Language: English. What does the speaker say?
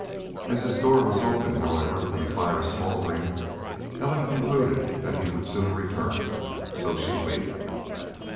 As his door was open, however, and a fire smoldering, Ellen concluded he would soon return. So she waited.